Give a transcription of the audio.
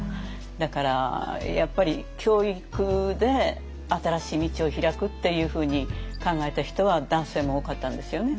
だからやっぱり教育で新しい道をひらくっていうふうに考えた人は男性も多かったんですよね。